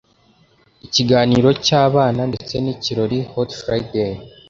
ikiganiro cy’abana ndetse n’ikirori hot friday.